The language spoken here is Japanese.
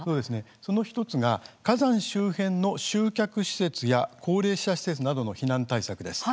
その１つが火山周辺の集客施設や高齢者施設などの避難対策です。